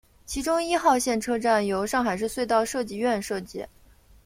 其中一号线车站由上海市隧道设计院设计。